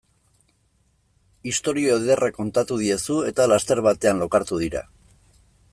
Istorio ederra kontatu diezu eta laster batean lokartu dira.